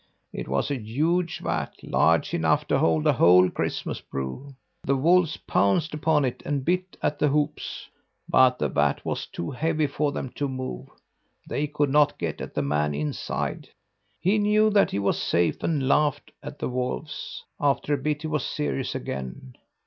"It was a huge vat, large enough to hold a whole Christmas brew. The wolves pounced upon it and bit at the hoops, but the vat was too heavy for them to move. They could not get at the man inside. "He knew that he was safe and laughed at the wolves. After a bit he was serious again.